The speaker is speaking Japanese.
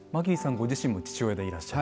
ご自身も父親でいらっしゃる。